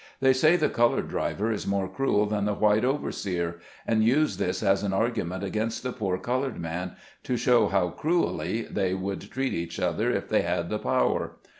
They say the colored driver is more cruel than the white overseer, and use this as an argument against the poor colored man, to show how cruelly they would treat each other if they had the power.